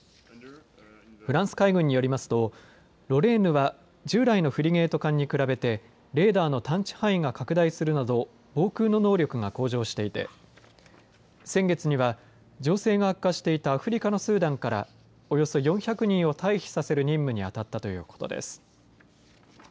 フランス海軍によりますとロレーヌは従来のフリゲート艦に比べてレーダーの探知範囲が拡大するなど防空の能力が向上していて先月には情勢が悪化していたアフリカのスーダンからおよそ４００人を退避させる任務に当たったということです。